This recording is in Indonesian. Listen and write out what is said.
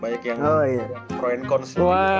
banyak yang pro and conce